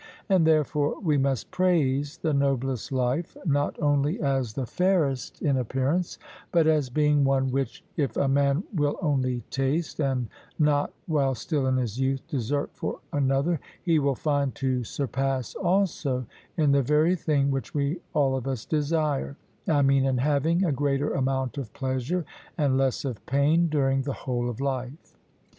And therefore we must praise the noblest life, not only as the fairest in appearance, but as being one which, if a man will only taste, and not, while still in his youth, desert for another, he will find to surpass also in the very thing which we all of us desire, I mean in having a greater amount of pleasure and less of pain during the whole of life.